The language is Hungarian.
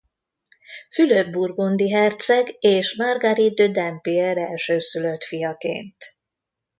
Fülöp burgundi herceg és Marguerite de Dampierre elsőszülött fiaként.